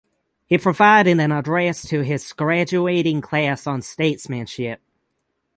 He provided an address to his graduating class on statesmanship.